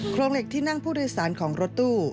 เหล็กที่นั่งผู้โดยสารของรถตู้